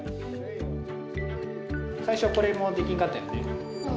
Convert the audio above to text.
最初はこれもできんかったようん。